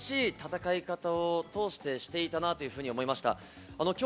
日本らしい戦い方を通して、していたなというふうに思いました。